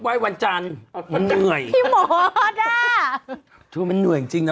เออวันวันจันมันเหนื่อยหิมอธอ่ะ